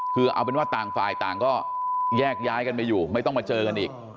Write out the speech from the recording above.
คือเอาเป็นว่าต่างฝ่ายต่างก็แยกย้ายกันไปอยู่ไม่ต้องมาเจอกันอีก